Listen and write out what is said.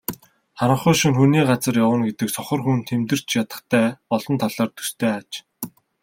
Харанхуй шөнө хүний газар явна гэдэг сохор хүн тэмтэрч ядахтай олон талаар төстэй аж.